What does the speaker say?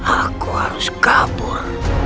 aku harus kabur